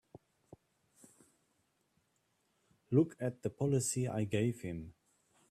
Look at the policy I gave him!